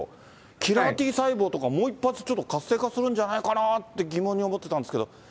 キラーＴ細胞とか、もう一発活性化するんじゃないかなって、疑問に思ってたんですけど。